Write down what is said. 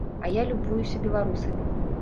А я любуюся беларусамі.